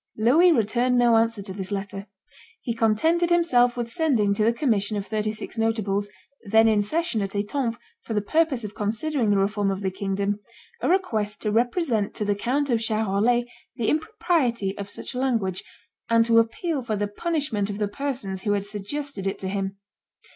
Louis returned no answer to this letter. He contented him self with sending to the commission of thirty six notables, then in session at Etampes for the purpose of considering the reform of the kingdom, a request to represent to the Count of Charolais the impropriety of such language, and to appeal for the punishment of the persons who had suggested it to him.